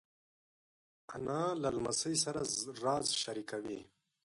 انا له لمسۍ سره راز شریکوي